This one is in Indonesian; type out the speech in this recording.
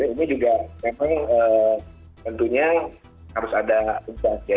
ini juga memang tentunya harus ada adjust ya